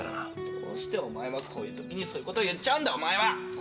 どうしてお前はこういうときにそういうこと言っちゃうんだお前は。